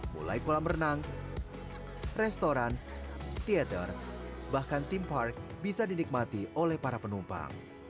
mulai kolam renang restoran teater bahkan theme park bisa dinikmati oleh para penumpang